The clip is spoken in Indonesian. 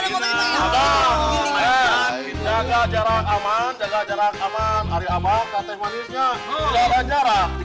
mbah jaga jarak aman jaga jarak aman hari abah kateh manisnya jaga jarak